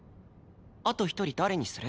あと１人誰にする？